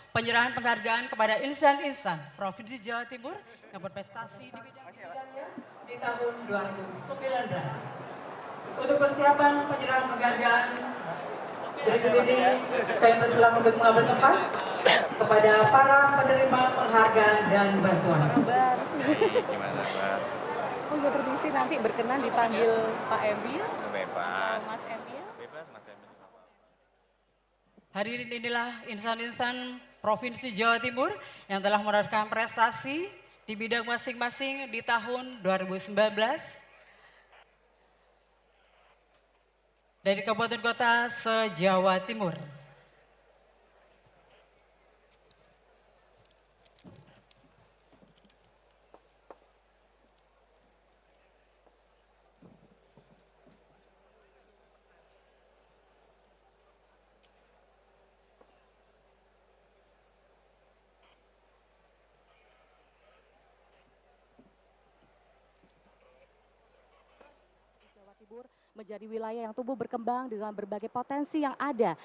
menjadi wilayah yang tumbuh dan berkembang dengan berbagai potensi yang ada